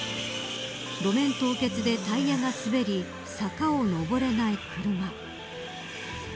路面凍結でタイヤが滑り坂を上れない車。